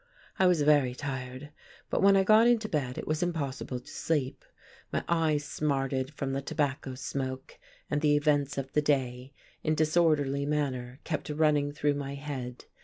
I was very tired. But when I got into bed, it was impossible to sleep. My eyes smarted from the tobacco smoke; and the events of the day, in disorderly manner, kept running through my head.